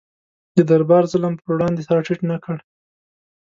د دربار ظلم پر وړاندې سر ټیټ نه کړ.